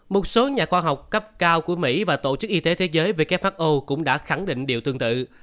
một số nhà khoa học cấp cao của mỹ và tổ chức y tế thế giới who cũng đã khẳng định điều tương tự